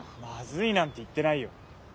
まずいなんて言ってないよ